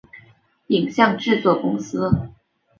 影像制作公司